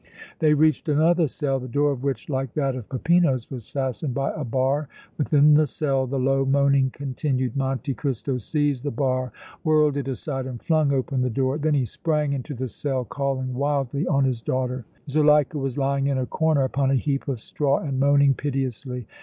They reached another cell, the door of which, like that of Peppino's, was fastened by a bar. Within the cell the low moaning continued. Monte Cristo seized the bar, whirled it aside and flung open the door; then he sprang into the cell, calling wildly on his daughter. Zuleika was lying in a corner upon a heap of straw and moaning piteously.